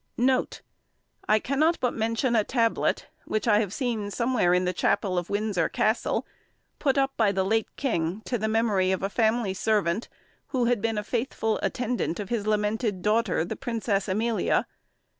NOTE. I cannot but mention a tablet which I have seen somewhere in the chapel of Windsor Castle, put up by the late King to the memory of a family servant who had been a faithful attendant of his lamented daughter, the Princess Amelia.